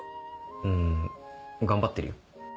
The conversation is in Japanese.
ん頑張ってるよ。